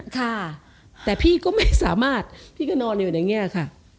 ค่ะแต่พี่ก็ไม่สามารถพี่ก็นอนอยู่ในนี้ค่ะ